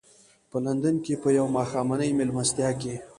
په لندن کې په یوه ماښامنۍ مېلمستیا کې.